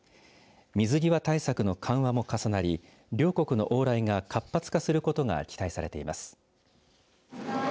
水際対策の緩和も重なり両国の往来が活発化することが期待されています。